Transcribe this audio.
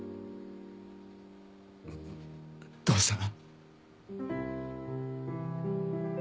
父さん。